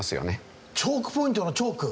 チョークポイントのチョーク。